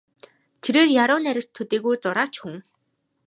Тэрээр яруу найрагч төдийгүй зураач хүн.